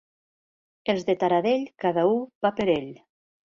Els de Taradell, cada u va per ell.